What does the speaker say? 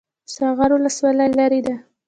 ساغر ولسوالۍ لیرې ده؟